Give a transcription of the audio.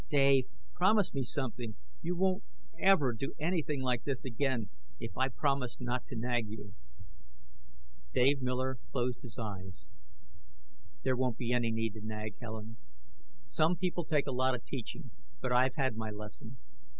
Dave, promise me something! You won't ever do anything like this again, if I promise not to nag you?" Dave Miller closed his eyes. "There won't be any need to nag, Helen. Some people take a lot of teaching, but I've had my lesson.